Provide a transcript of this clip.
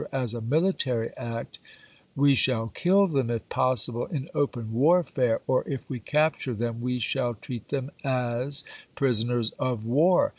as a military act, we shall kill them, if possible, in open warfare, or, if we capture them, we shall treat them as prisoners of war.